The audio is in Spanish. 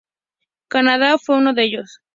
Canadá fue uno de ellos.